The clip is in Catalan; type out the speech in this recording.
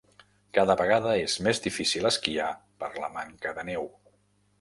Cada vegada és més difícil esquiar per la manca de neu.